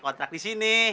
kontrak di sini